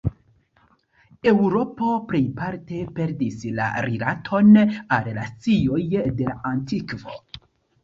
Eŭropo plejparte perdis la rilaton al la scioj de la antikvo.